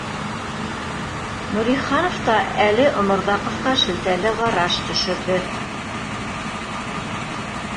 Нуриханов та әле Оморҙаҡовҡа шелтәле ҡараш төшөрҙө